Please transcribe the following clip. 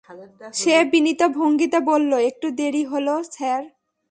সে বিনীত ভঙ্গিতে বলল, একটু দেরি হল স্যার।